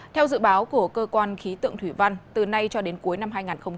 theo dự báo của cơ quan khí tượng thủy văn từ nay cho đến cuối năm hai nghìn hai mươi